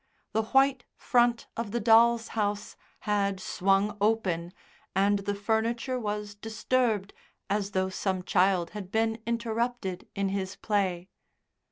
The white front of the dolls' house had swung open and the furniture was disturbed as though some child had been interrupted in his play.